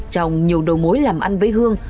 trong nhiều đồ mối làm ăn với hương